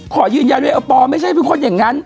ขอยืนยันว่าโอปอลไม่ใช่เป็นคนอย่างนั้น